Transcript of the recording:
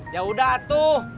ya udah tuh